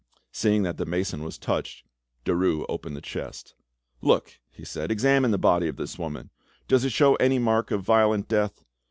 Seeing that the mason was touched, Derues opened the chest. "Look," he said, "examine the body of this woman, does it show any mark of violent death?